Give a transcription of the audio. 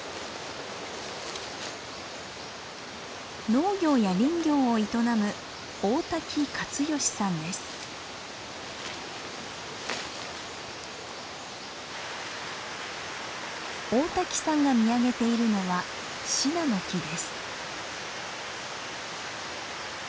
農業や林業を営む大滝さんが見上げているのはシナノキです。